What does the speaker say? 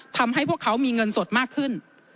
ทำให้พวกเขามีเงินสดมากขึ้น